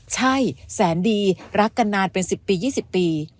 ใช่แสนดีรักกันนานเป็น๑๐ปี๒๐ปี